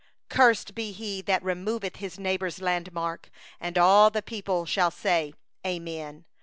17Cursed be he that removeth his neighbour's landmark. And all the people shall say: Amen.